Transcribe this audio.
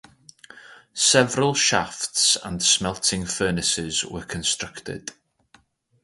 Several shafts and smelting furnaces were constructed.